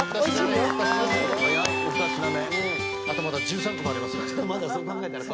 まだ、あと１３個もありますから。